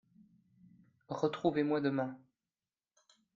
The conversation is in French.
Retrouvez-moi demain.